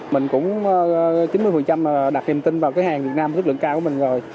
mình cũng chín mươi đặt niềm tin vào hàng việt nam sức lượng cao của mình rồi